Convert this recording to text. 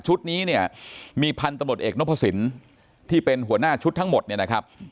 นี้เนี่ยมีพันธุ์ตำรวจเอกนพสินที่เป็นหัวหน้าชุดทั้งหมดเนี่ยนะครับ